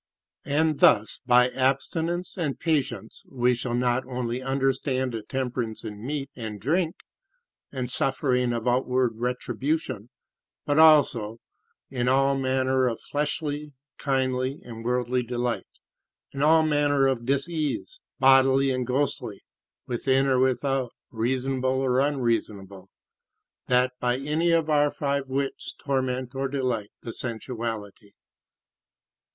And thus by abstinence and patience we shall not only understand a temperance in meat and drink, and suffering of outward tribulation, but also [in] all manner of fleshly, kindly, and worldly delights, and all manner of disease, bodily and ghostly, within or without, reasonable or unreasonable, that by any of our five wits torment or delight the sensuality.